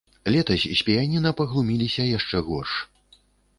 Летась з піяніна паглуміліся яшчэ горш.